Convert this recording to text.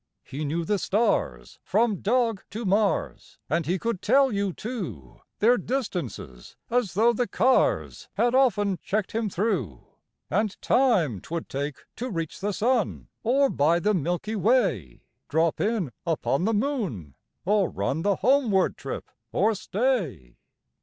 He knew the stars from "Dog" to Mars; And he could tell you, too, Their distances as though the cars Had often checked him through And time 'twould take to reach the sun, Or by the "Milky Way," Drop in upon the moon, or run The homeward trip, or stay.